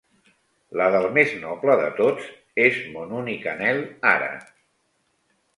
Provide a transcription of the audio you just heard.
La del més noble de tots, és mon únic anhel ara.